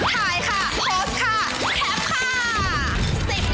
ถ่ายค่ะโพสต์ค่ะแคปค่ะ